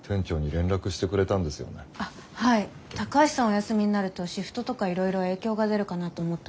お休みになるとシフトとかいろいろ影響が出るかなと思ったので。